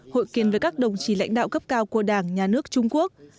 hội kiến với các đồng chí lãnh đạo cấp cao của đảng nhà nước trung quốc